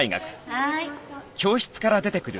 はい。